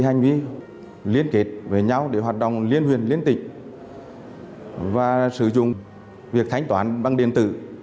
hành vi liên kết với nhau để hoạt động liên huyền liên tịch và sử dụng việc thanh toán bằng điện tử